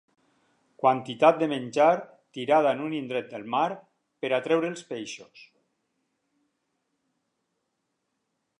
Quantitat de menjar tirada en un indret del mar per atreure els peixos.